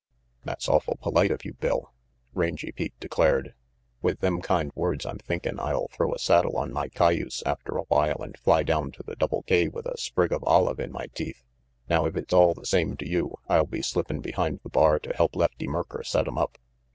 "That's awful polite of you, Bill," Rangy Pete declared. "With them kind words I'm thinkin' I'll throw a saddle on my cayuse after a while and fly down to the Double K with a sprig of olive in my teeth. Now if it's all the same to you, I'll be slippin' behind the bar to help Lefty Merker set 'em up.